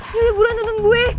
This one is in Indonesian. ya udah buruan tonton gue